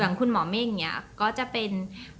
อย่างคุณหมอเมฆก็จะเป็น